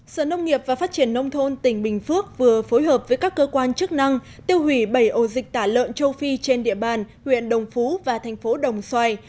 sở nông nghiệp và phát triển nông thôn tỉnh bình phước vừa phối hợp với các cơ quan chức năng tiêu hủy bảy ổ dịch tả lợn châu phi trên địa bàn huyện đồng phú và thành phố đồng xoài